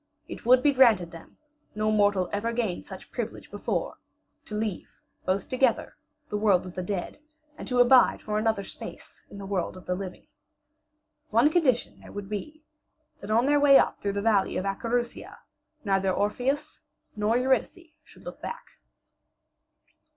It would be granted them no mortal ever gained such privilege before to leave, both together, the world of the dead, and to abide for another space in the world of the living. One condition there would be that on their way up through the valley of Acherusia neither Orpheus nor Eurydice should look back.